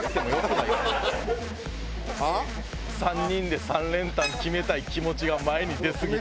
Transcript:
３人で３連単決めたい気持ちが前に出すぎて。